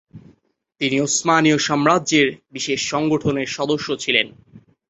তিনি উসমানীয় সাম্রাজ্যের বিশেষ সংগঠনের সদস্য ছিলেন।